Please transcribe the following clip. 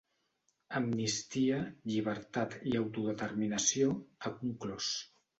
“Amnistia, llibertat i autodeterminació”, ha conclòs.